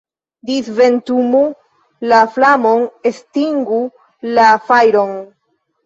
Disventumu la flamon, estingu la fajron!